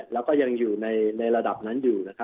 และก็ยังอยู่ในระดับนั้น